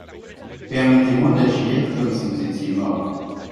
Permettez-moi d'agir comme si vous étiez mort.